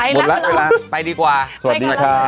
สวัสดีครับ